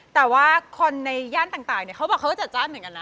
แต่คนในย่านต่างเค้าบอกเค้าจัดจ้านเหมือนกันนะ